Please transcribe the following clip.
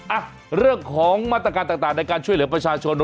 อ่ะเรื่องของมาตรการต่างในการช่วยเหลือประชาชน